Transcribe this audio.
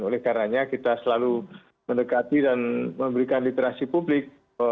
oleh karena kita selalu mendekati dan memberikan literasi publik